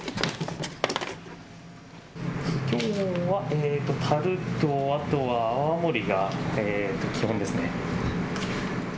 きょうはたるとあとは泡盛が基本ですね。